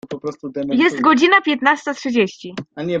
Jest godzina piętnasta trzydzieści.